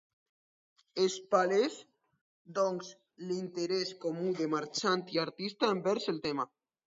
És palès, doncs, l'interès comú de marxant i artista envers el tema.